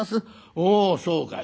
『おおそうかい。